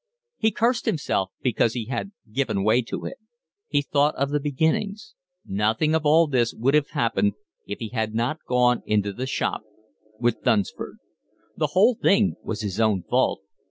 He cursed himself because he had given way to it. He thought of the beginnings; nothing of all this would have happened if he had not gone into the shop with Dunsford. The whole thing was his own fault.